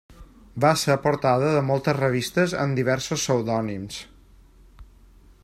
Va ser portada de moltes revistes amb diversos pseudònims.